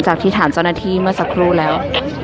ดูคือมือกาแกอะ